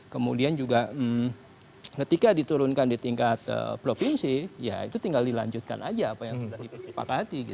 kemudian juga ketika diturunkan di tingkat provinsi ya itu tinggal dilanjutkan aja apa yang sudah disepakati